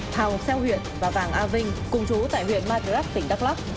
thào xeo huyện và vàng a vinh cùng chú tại huyện ma thứ ấp tỉnh đắk lắk